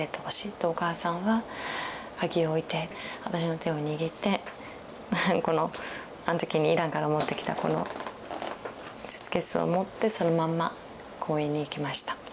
お母さんは鍵を置いて私の手を握ってこのあの時にイランから持ってきたこのスーツケースを持ってそのまんま公園に行きました。